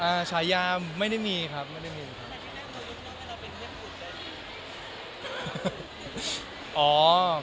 ฉายาไม่ได้มีครับไม่ได้มีครับ